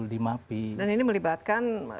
di mapi dan ini melibatkan